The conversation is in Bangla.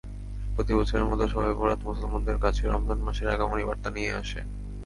প্রতিবছরের মতো শবে বরাত মুসলমানদের কাছে রমজান মাসের আগমনী বার্তা নিয়ে আসে।